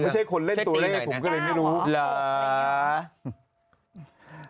ไม่ใช่คนเล่นตัวเลขผมก็เลยไม่รู้เหรอ